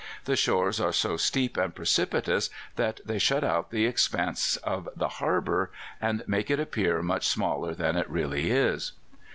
The shores are so steep and precipitous that they shut out the expanse of the harbour, and make it appear much smaller than it really is.